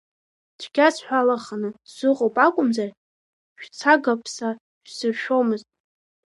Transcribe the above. Цәгьа сҳәалаханы сыҟоуп акумзар, шәцагаԥса шәсыршәомызт!